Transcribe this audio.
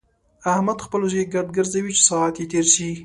احمد خپل زوی ګرد ګرځوي چې ساعت يې تېر شي.